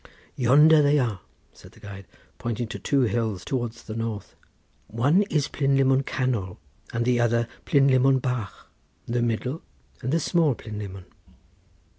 "Yonder they are," said the guide, pointing to two hills towards the north—"one is Plynlimmon Canol, and the other Plynlimmon Bach. The middle and the small Plynlimmon."